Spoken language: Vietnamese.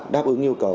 đáp ứng yêu cầu